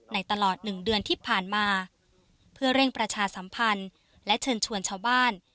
ตลอดหนึ่งเดือนที่ผ่านมาเพื่อเร่งประชาสัมพันธ์และเชิญชวนชาวบ้าน